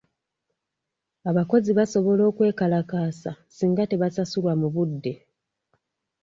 Abakozi basobola okwekalakaasa singa tebasasulwa mu budde.